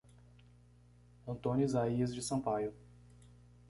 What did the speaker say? Antônio Izaias de Sampaio